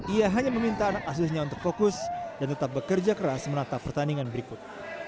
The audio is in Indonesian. ia hanya meminta anak aslinya untuk fokus dan tetap bekerja keras menata pertandingan berikut